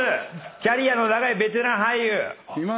キャリアの長いベテラン俳優。